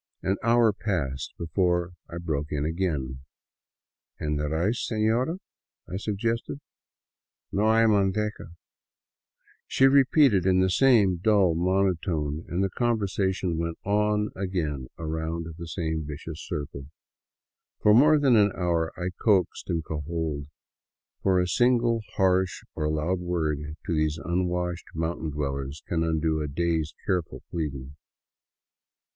An hour passed before I broke it again. " And the rice, sehora," I suggested. " No hay manteca," she repeated in the same dull monotone, and the conversation went on again around the same vicious circle. For more than an hour I coaxed and cajoled, for a single harsh or loud word to these unwashed mountain dwellers can undo a day's careful pleading.